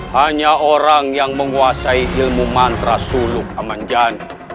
hanya orang yang menguasai ilmu mantra suluk amanjani